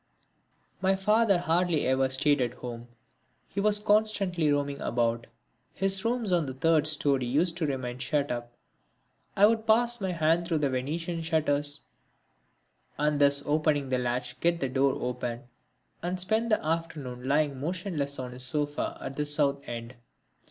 My father hardly ever stayed at home, he was constantly roaming about. His rooms on the third storey used to remain shut up. I would pass my hands through the venetian shutters, and thus opening the latch get the door open, and spend the afternoon lying motionless on his sofa at the south end.